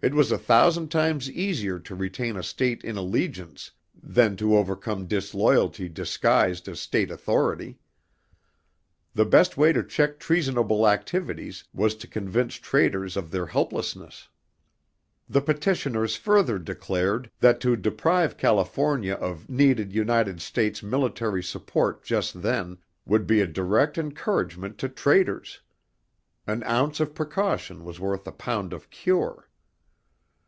It was a thousand times easier to retain a state in allegiance than to overcome disloyalty disguised as state authority. The best way to check treasonable activities was to convince traitors of their helplessness. The petitioners further declared that to deprive California of needed United States military support just then, would be a direct encouragement to traitors. An ounce of precaution was worth a pound of cure.